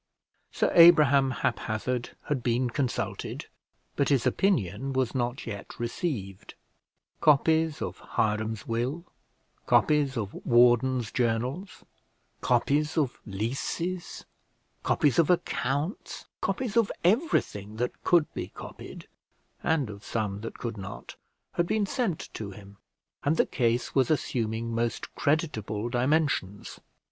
Sir Abraham Haphazard had been consulted, but his opinion was not yet received: copies of Hiram's will, copies of wardens' journals, copies of leases, copies of accounts, copies of everything that could be copied, and of some that could not, had been sent to him; and the case was assuming most creditable dimensions.